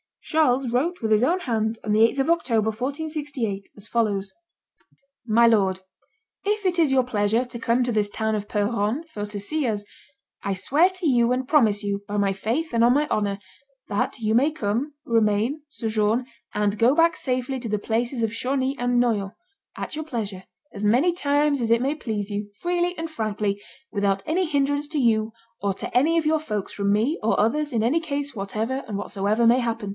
Charles wrote with his own hand, on the 8th of October, 1468, as follows: "My lord, if it is your pleasure to come to this town of Peronne for to see us, I swear to you and promise you, by my faith and on my honor, that you may come, remain, sojourn, and go back safely to the places of Chauny and Noy on, at your pleasure, as many times as it may please you, freely and frankly, without any hinderance to you or to any of your folks from me or others in any case whatever and whatsoever may happen."